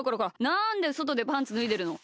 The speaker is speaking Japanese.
なんでそとでパンツぬいでるの！